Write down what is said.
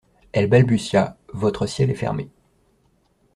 Elle balbutia : Votre ciel est fermé.